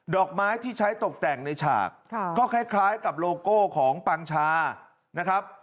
อกไม้ที่ใช้ตกแต่งในฉากก็คล้ายกับโลโก้ของปังชานะครับ